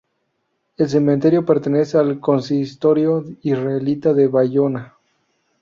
El cementerio pertenece al Consistorio israelita de Bayona.